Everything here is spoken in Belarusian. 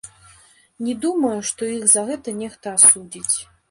Не думаю, што іх за гэта нехта асудзіць.